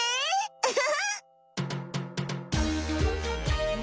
ウフフ！